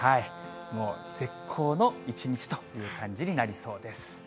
もう絶好の一日という感じになりそうです。